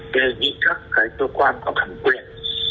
để những các cơ quan có thẩm quyền